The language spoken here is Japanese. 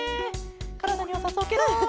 からだによさそうケロ。